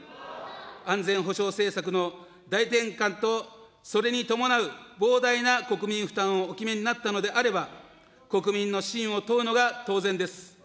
安全保障政策の大転換と、それに伴う膨大な国民負担をお決めになったのであれば、国民の信を問うのが当然です。